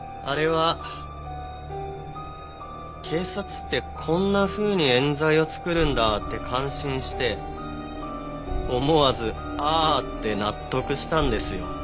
あれは警察ってこんなふうに冤罪を作るんだって感心して思わず「ああ」って納得したんですよ。